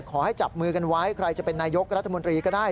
ขอให้จับมือกันไว้ใครจะเป็นนายกรัฐมนตรีก็ได้